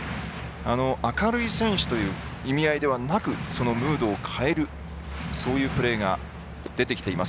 明るい選手という意味合いではなく、むしろ変えるそういうプレーが出てきています